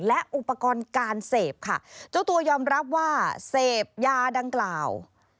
และอุปกรณ์การเสพค่ะเจ้าตัวยอมรับว่าเสพยาดังกล่าว